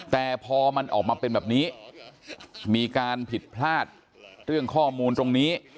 แต่พอมันออกมาเป็นแบบนี้มีการผิดพลาดเรื่องข้อมูลตรงนี้